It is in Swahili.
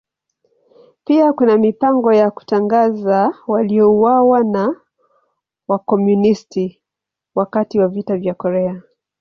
Pia kuna mipango ya kutangaza waliouawa na Wakomunisti wakati wa Vita vya Korea.